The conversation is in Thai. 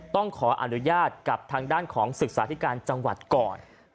ต้องขออนุญาตกับทางด้านของศึกษาธิการจังหวัดก่อน